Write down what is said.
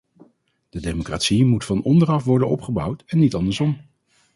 De democratie moet van onderaf worden opgebouwd en niet andersom.